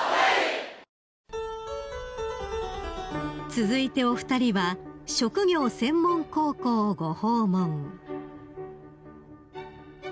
［続いてお二人は職業専門高校をご訪問］